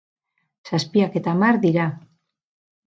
Zazpiak eta hamar dira.